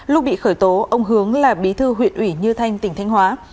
lúc bị khởi tố ông hướng là bí thư huyện ủy như thanh tỉnh thanh hóa